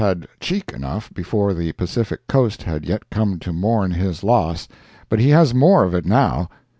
had "cheek" enough before the Pacific Coast had yet come to mourn his loss, but he has more of it now.